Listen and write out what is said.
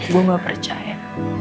gue gak percaya